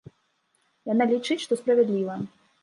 Яна лічыць, што справядліва.